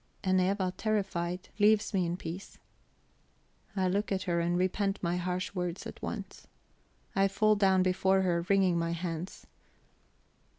And Eva, terrified, leaves me in peace. I look at her, and repent my harsh words at once; I fall down before her; wringing my hands.